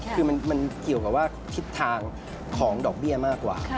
คือมันเกี่ยวกับว่าทิศทางของดอกเบี้ยมากกว่า